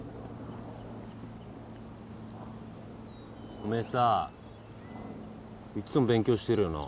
おめえさいつも勉強してるよな。